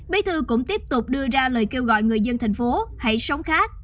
bí thư cũng tiếp tục đưa ra lời kêu gọi người dân thành phố hãy sống khác